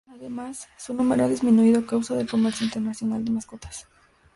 Además, su número ha disminuido a causa del comercio internacional de mascotas.